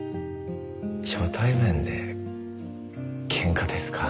初対面でケンカですか。